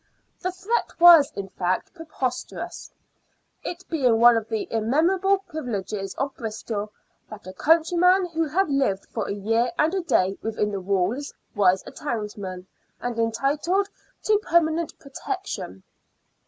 The threat was, in fact, preposterous, it being one of the immemorial privileges of Bristol that a country man who had lived for a year and a day within the walls was a townsman, and entitled to permanent protection.